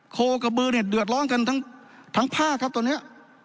โคกับมือเนี่ยเดือดร้อนกันทั้งผ้าครับตอนนี้